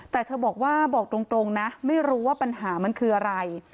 แต่เธอบอกว่าบอกตรงนะไม่รู้ว่าปัญหามันคืออะไร